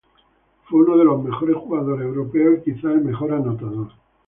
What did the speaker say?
Fue uno de los mejores jugadores europeos y quizás el mejor anotador.